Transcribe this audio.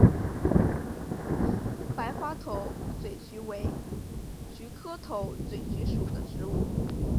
白花头嘴菊为菊科头嘴菊属的植物。